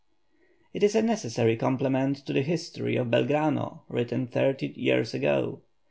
It is a necessary complement to the HISTORY OF BELGRANO, written thirty years ago.